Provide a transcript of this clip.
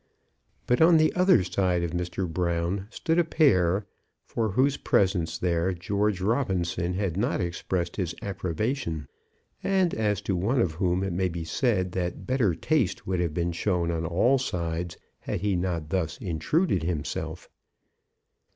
But on the other side of Mr. Brown stood a pair, for whose presence there George Robinson had not expressed his approbation, and as to one of whom it may be said that better taste would have been shown on all sides had he not thus intruded himself.